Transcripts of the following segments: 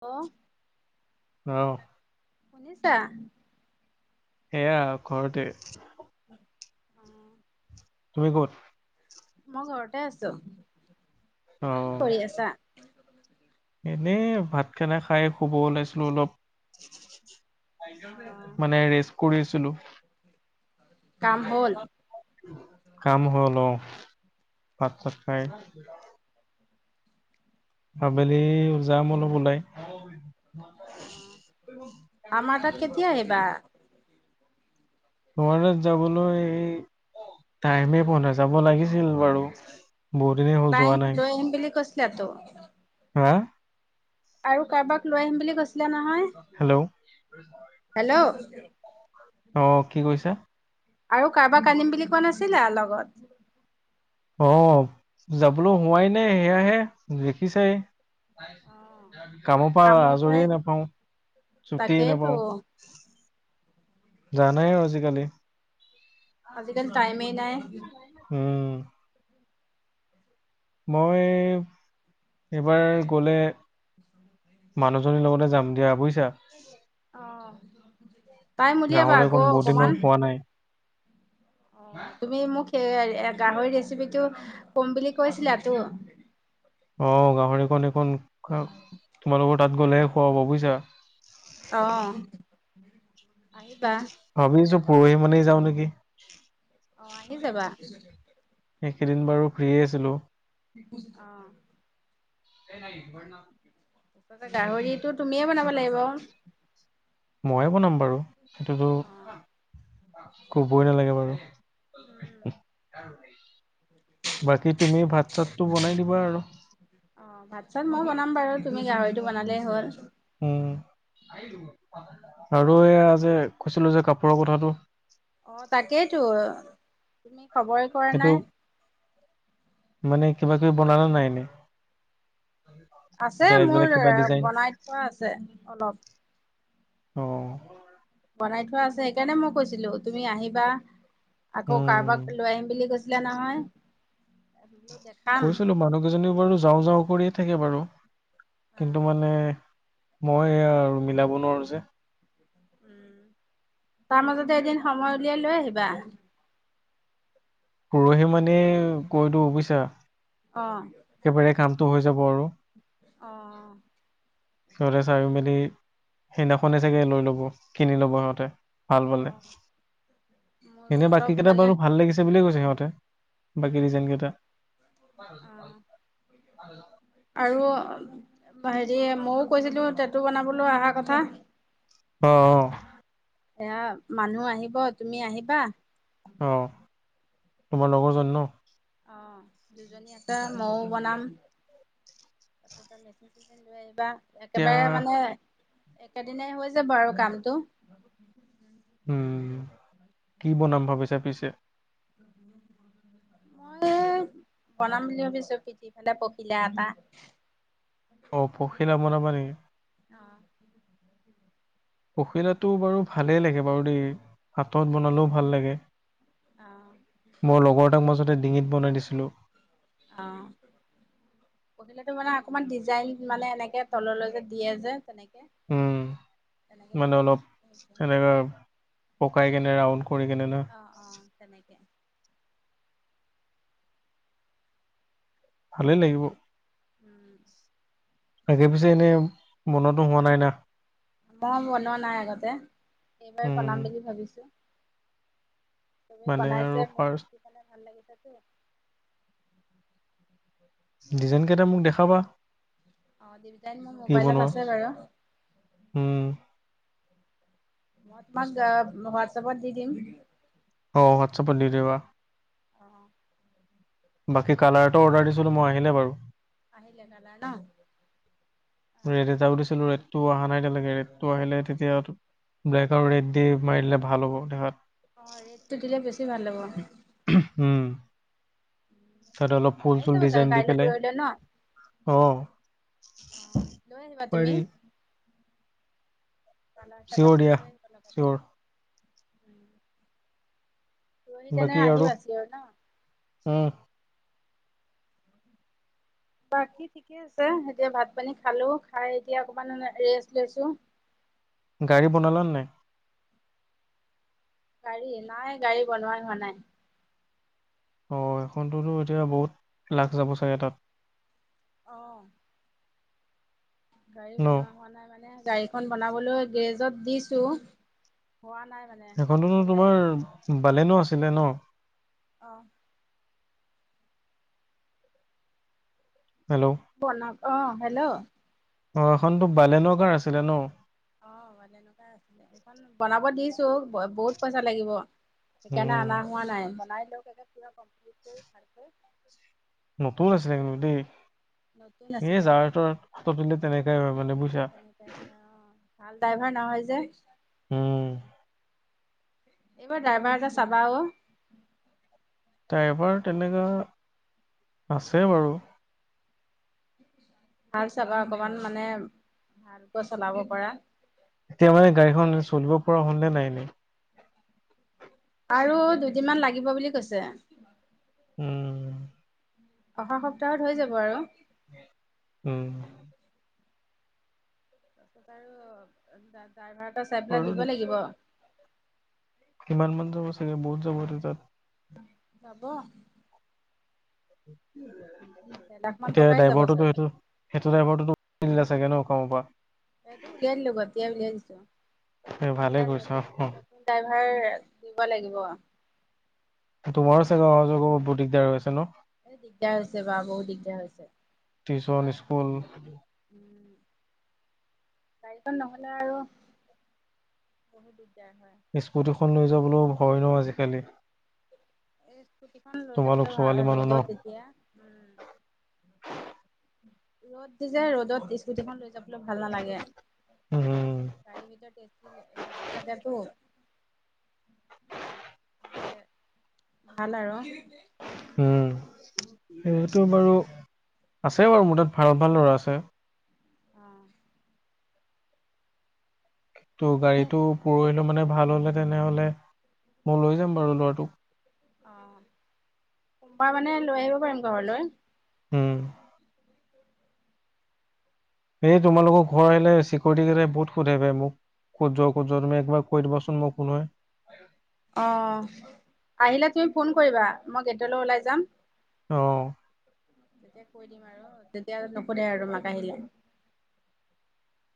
Hello অ শুনিছা। সেয়া ঘৰতে উম তুমি ক'ত? মই ঘৰতে আছো। কি কৰি আছা? অ' এনেই ভাত খানা খাই শুব ওলাইছিলো অলপ। অ', মানে ৰেচ কৰিছিলো। কাম হ'ল? কাম হল অহ ভাত চাট খায়। আবেলি যাম অলপ ওলাই। অ' আমাৰ তাত কেতিয়া আহিবা? তোমাৰ তাত যাবলৈ। টাইমেই পোৱা নাই যাব লাগিছিল বাৰু। বহুত দিনেই হ'ল পাই যোৱা নাই [unintelligible] আহিম বুলি কৈছিলে তো হা! আৰু কাৰোবাক লৈ আহিম বুলি কৈছিলে নহয়? Hello hello! অ কি কৈছা আৰু কাৰোবাক আনিম বুলি কোন নাছিলা লগত? অ' যাবলৈ হোৱাই নাই, সেয়াহে দেখিছাই? [inaudible] কামৰ পৰা আজৰিয়ে নাপাওঁ। ছুটিয়েই তাকেইতো নাপাওঁ। জানাই আৰু আজিকালি আজিকালি টাইমেই নাই। [inaudible] উম! মই এইবাৰ গ'লে মানুহজনীৰ লগতে যাম দিয়া বুজিছা। আহ! টাইম উলিয়াবা গাহৰি আকৌ অকণ বহুত দিন অকনমান? হ'ল খোৱা নাই। অ' তুমি মোক সেই গাহৰি ৰেচিপিটো কম বুলি কৈছিলা তো? অ গাহৰিখন এইখন [unintelligible] তোমালোকৰ তাত গলেহে খুৱা হ'ব বুজিছা। অ' আহিবা। ভাবিছো পৰহি মানেই যাওঁ নেকি? আহ! আহি যাবা। এইকেইদিন বাৰু ফ্ৰী আছিলোঁ। [inaudible] অ'! [inaudible] ন তাৰ [unintelligible] গাহৰিটো তুমিয়ে বনাব লাগিব। ময়ে বনাম বাৰু, সেইটোতো কবই নালাগে বাৰু। [unintelligible] বাকী তুমি ভাত চাতটো বনাই দিবা আৰু অ'! ভাত-চাত মই বনাম বাৰু। তুমি গাহৰিটো বনালেই হ'ল? উম! আৰু এয়া যে কৈছিলো যে কাপোৰ [unintelligible] কথাটো? অ' তাকেইতো তুমি খবৰে কৰা সেইটো নাই। মানে কিবা-কিবি বনালা নাই এনেই? আছে মোৰ এ বনাই থোৱা আছে অলপ। অঁ! বনাই থোৱা আছে সেইকাৰণে মই কৈছিলো তুমি আহিবা, আকৌ উম। কাৰোবাক লৈ আহিম বুলি কৈছ ছিলা নহয়। দেখাম কৈছিলো মানুহকেইজনীও বাৰু যাওঁ-যাওঁ কৰিয়ে থাকে বাৰু অ কিন্তু মানে মইয়ে আৰু মিলাব নোৱাৰো যে। উম! তাৰ মাজতে এদিন সময় উলিয়াই লৈ আহিবা? পৰহি মানে কৈ দিও বুজিছা? অঁ! একেবাৰে কামটো হৈ যাব আৰু। অহ! সিহঁতে চাই মেলি, সেইদিনাখনে চাগে লৈ লব, কিনি লব সিহঁতে। ভাল অ পালে, মোৰো এনে অলপ বাকীকেইটা মানে বাৰু ভাল লাগিছে বুলিয়ে কৈছে সিহঁতে। বাকী উম ডিজাইনকেইটা অ হয় আৰু হেৰি ময়োও কৈছিলো টেঁটু বনাবলৈ অহা কথা? অ-অ এয়া মানুহ আহিব, তুমি আহিবা। অ তোমাৰ লগৰজন ন? অ দুজনী আছে ময়ো বনাম। তাৰপাছতে মেচিন চেচিন লৈ আহিবা এতিয়া একেবাৰে মানে একেদিনে হৈ যাব আৰু কামটো উম কি বনাম ভাবিছা পিছে মই বনাম বুলি ভাবিছো পিঠিফালে পখিলা এটা অ পখিলা বনাবা নি অ পখিলাটো বাৰু ভালেই লাগে বাৰু দেই হাতত বনালেও ভাল লাগে অ মোৰ লগৰটাক মাজতে ডিঙিত বনাই দিছিলোঁ অ পখিলাটো মানে অকমান ডিজাইন মানে এনেকে তললৈ যে দিয়ে যে তেনেকে উম তেনেকে মানে পেলাই অলপ বনাম ভাবিছো সেনেকা পকাই কেনে ৰাউন অ অ তেনেকে ভালেই লাগিব উম তাকে পিছে এনেই বনোৱাতো হোৱা নাই ন মই বনোৱা নাই আগতে এইবাৰ উম বনাম বুলি ভাবিছো চবেই মানে আৰু বনাইছে মোৰ ফাৰ্ষ্ট দেখি পালে ভাল লাগিছে টো ডিজাইন কেইটা মোক দেখাবা অ ডিজাইন মোৰ কি মোবাইলত বনোৱা আছে বাৰু উম মই তোমাক হোৱাটছাপত দি দিম অ হোৱাটছাপত দি দিবা অ বাকী তুমি কালাৰটো অৰ্ডাৰ দিছিলো মই আহিলে বাৰু আহিলে কালাৰ ন টো অহা নাই এতিয়ালৈকে ৰেড টো আহিলে তেতিয়া ব্লেক আৰু ৰেড দি মাৰিলে ভাল হ'ব দেখাত অ ৰেডটো দিলে বেছি ভাল হ'ব তাত অলপ ফুল আহি চুল যাব চাগে ডিজাইন দি কাইলৈ পেলাই পৰহিলৈ ন অ অ লৈ আহিবা তুমি পাৰি কালাৰ চালাৰ চিয়ৰ বিলাক দিয়া লৈ আহিবা লগতে চিয়ৰ ৰহি কেনে আহিও আছিয়ৰ ন অ' বাকী ঠিকে আছে। এতিয়া ভাত পানী খালো খাই এতিয়া অকমান ৰেষ্ট লৈছো। [unintelligible] গাড়ী বনালা নাই? গাড়ী নাই গাড়ী বনোৱা হোৱা নাই। অ' এখনততো এতিয়া বহুত লাখ যাব চাগে তাত অ' গাড়ী ন বনোৱা হোৱা নাই মানে গাড়ীখন বনাবলৈ গ্ৰেজত দিছো। হোৱা নাই মানে সেখনতো হ'লে তোমাৰ বালেন আছিলে ন অ' হেল্ল' বনক অ' হেল্ল' অ' এখনতো বালেন কাৰ আছিলে ন অ চ বহুত পইচা লাগিব। সেইকাৰণে উম অনা হোৱা নাই বনাই লও পুৰা কমপ্লিত কৰি ভাল কৈ নতুন আছিলে কিন্তু দেই নতুন এ আছিলে যাৰ তাৰ হাতত পৰিলে তেনেকাই হয় মানে বুজ তেনেকাই হয় অ' ভাল ড্ৰাইভাৰ নহয় যে। উম এইবাৰ ড্ৰাইভাৰ এটা চাবা অ' ড্ৰাইভাৰ তেনেকা আছে বাৰু ভাল চাবা অকমান মানে ভালকৈ চলাব পৰা। এতিয়া মানে গাড়ীখন চলিব পৰা হ'লনে নাই এনেই? আৰু দুদিনমান লাগিব বুলি কৈছে। উম। অহা সপ্তাহত হৈ যাব আৰু। উম। [inaudible] ড্ৰাইভাৰ এটা চাই পেলাই বাৰু দিব লাগিব। কিমান মান যাব ছাগে, বহুত যাব ন তাত। যাব। দেৰ লাখ মান এতিয়া টকাই যাব ড্ৰাইভাৰটোতো চাগে। সেইটো সেইটো ড্ৰাইভাৰটো চাগে ন [unintelligible] সেইটো উলিয়াই দিলে, গতিয়াই উলিয়াই দিছোঁ। এ ভালে এতিয়া কৰিছা নতুন অ নতুন ড্ৰাইভাৰ দিব লাগিব। তোমাৰো চাগে অহ যোৱা কৰিব বহুত দিগদাৰ হৈ গৈছে ন? এই দিগদাৰ হৈছে বা বহুত দিগদাৰ হৈছে টিউচন স্কুল উম। গাড়ীখন নহ'লে আৰু বহুত দিগদাৰ হয়। স্কুটিখন লৈ যাবলো ভয় ন আজিকালি? এই স্কুটিখন লৈ যাবলো তোমালোক ছোৱালী ভাল মানুহ ন ৰ'দত এতিয়া ৰ'দ দি যে ৰ'দত স্কুটিখন লৈ যাবলৈ ভাল নালাগে। উম গাড়ী ভিত টে [inaudible] লগোৱা থাকোতো, এ ভাল আৰু। উম সেইটো বাৰু আছে বাৰু মোৰ তাত ভাল ভাল ল'ৰা আছে। অহ। [inaudible] ত' তুমি গাড়ীতটো পৰহিলে মানে ভাল হ'লে তেনেহ'লে মই লৈ যাম বাৰু ল'ৰাটোক। অ' সোমবাৰ মানে লৈ আহিব পাৰিম ঘৰলৈ। উম। এই তোমালোকক ঘৰ আহিলে চিকৰিটি কেইতাই বহুত সোধাই পাই মোক। ক'ত যোৱা কত যোৱা, তুমি একবাৰ কৈ দিবাচোন মোক কোন হয়। অ আহিলে তুমি ফোন কৰিবা, মই গেটলৈ ওলাই যাম। আহ। তেতিয়া কৈ দিম আৰু তেতিয়া নোখোধে আৰু তুমাক আহিলে।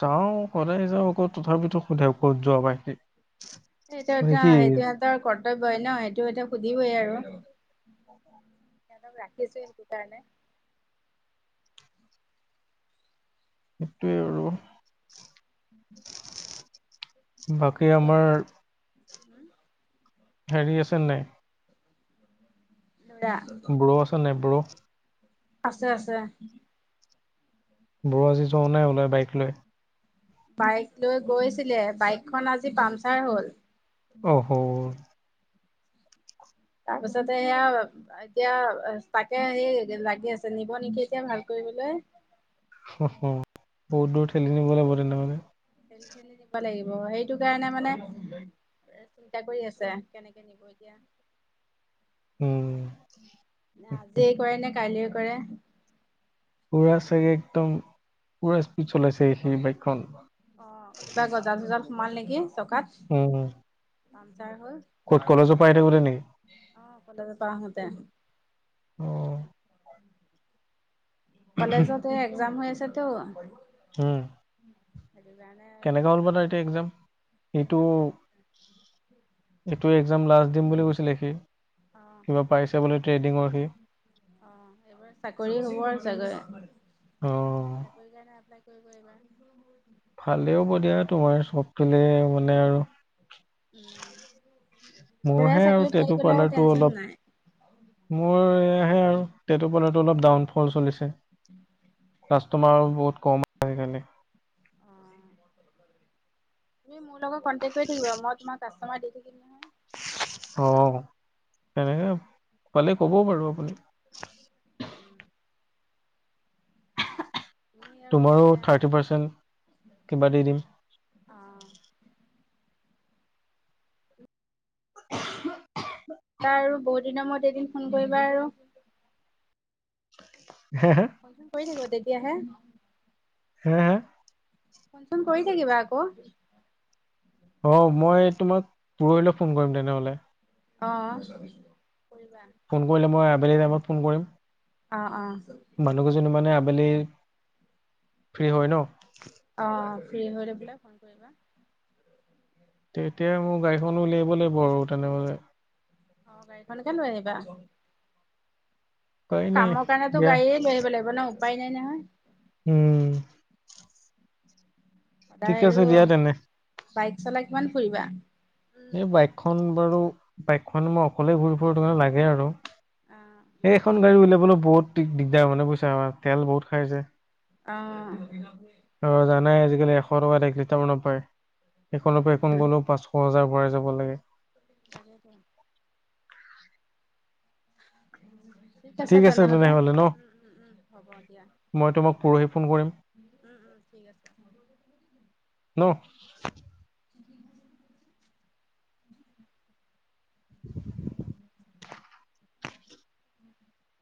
যাওঁ সদায় যাওঁ আকৌ তথাপিতো সোধে ক'ত যোৱা। সেইটো এ মানে কি সেইটো ইহঁতৰ কৰ্তব্যই ন সেইটো এটো সুধিবই আৰু। সিহঁতক ৰাখিচোৱে সেইটো কাৰণে। সেইটোৱে আৰু। [inaudible] বাকী তাকেতো আমাৰ [inaudible] হেৰি আছে নাই? ল'ৰা ব্ৰ আছে নাই ব্ৰ? আছে আছে। ব্ৰ আজি যোৱা নাই ওলাই বাইক লৈ? বাইক লৈ গৈছিলে বাইকখন আজি পামচাৰ হল। অ হ। তাৰ পিছতে এইয়া, এতিয়া তাকে সেই লাগি আছে নিব নিকি এতিয়া ভাল কৰি। [unintelligible] বহুত দূৰ ঠেলি নিব লাগিব তেনেহলে। ঠেলি ঠেলি নিব লাগিব। সেইটো কাৰণে মানে চিন্তা কৰি আছে কেনেকে নিব এতিয়া উম আজিয়ে কৰে নে কাইলে কৰে পুৰা চাগে একদম পুৰা স্পীড চলাইছে সেই বাইকখন অ কিবা গজাল চজাল সোমাল নেকি চকাত উম ছাৰ হল ক'ত কলেজৰ পৰা আহি থাকোতে নেকি আহ কলেজৰ পৰা আহোতে অ কলেজত একজাম হৈ আছেতো উম কেনেকা হ'ল বা তাৰ এতিয়া একজাম একজাম ভাল এইটো এক্সাম লাষ্ট দিম বুলি কৈছিলে সি অ কিবা পাইছে বুলি। অ সেইবাৰ চাকৰি হব আৰু চাগে। অ চাকৰি কাৰণে এপ্লাই কৰিব এইবাৰ। ভালেও হব দিয়া তোমাৰ চব ফালে মানে আৰু। উম মোৰ ল'ৰাই হে আৰু চাকৰি পাই তেটত গ'লে আৰু পাৰ্লাৰটো টেনচন অলপ নাই। মোৰ এ আহে আৰু তেতপালো অলপ ডাউন ফল চলিছে তোমাৰ বহুত কম আজিকালি। তুমি মোৰ লগত কন্টেক কৰি থাকিবা মই তোমাক আছো। মই দি থাকিম নহয়। অ সনেকে পালে ক'বও বাৰু আপুনি উম তুমি আৰু তোমাৰো এয়া থাৰ্টি পাৰ্চেন্ট কিবা দি দিম। তা আৰু বহু দিনৰ মূৰত এদিন ফোন কৰিবা আৰু হে হে ফন চোন কৰি থাকিবা তেতিয়া হে। হা হা ফোন চোন কৰি থাকিবা আকৌ। অ মই তোমাক পৰহিলৈ ফোন কৰিম তেনেহলে। আহ ফোন কৰিলে মই আবেলি টাইমত ফোন অ অ কৰিম মানুহকেইজনি মানে ফে মেলি ফ্ৰী হয় ন আহ ফ্ৰী হৈ বোলে ফোন কৰিবা। তেতিয়া মোৰ গাড়ীখনো উলিয়াইব লাগিব আৰু তেনেহলে। অ গাড়ীখনৰ কে লৈ আহিবা উপায় নাই কামৰ কাৰণেতো দিয়া গাড়ীয়ে লৈ আহিব লাগিব ন উপায় নাই নহয়। উম। ঠিক সদায় আছে আৰু দিয়া তেনে বাইক চলাই কিমান ফুৰিবা? এই বাইকখন বাৰু বাইকখন মই অকলেই ঘূৰি ফুুৰুটো কাৰনে লাগে আৰু। অ সেই এখন গাড়ী উওলাবলো বহুত দিগদাৰ মানে বুইছা আমাৰ তেল বহুত খাই যে। আৰু আহ। জানাই আজিকালি এশ টকাত এক লিটাৰ নাপায়, সেইখনৰ পৰা এখন উম গ'লেও পাঁচশ হাজাৰ ভৰাই যাব লাগে তাকেইটো। ঠিক আছে তেনেহলে ন। উ উম হ'ব দিয়া ফোন মই তোমাক কৰিবা। পৰহি ফোন কৰিম উম উম ঠিক আছে। ন। [inaudible] [inaudible]